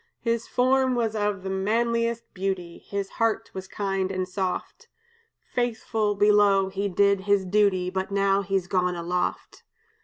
His form was of the manliest beauty; His heart was kind and soft; Faithful, below, he did his duty, But now he's gone aloft.